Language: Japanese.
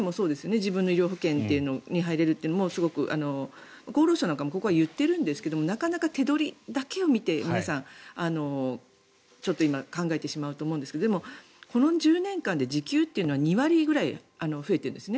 自分の医療保険に入れるというのも、すごく厚労省も言っているんですがなかなか手取りだけを見て皆さん、今考えてしまうと思うんですがでも、この１０年間で時給っていうのは２割くらい増えてるんですね。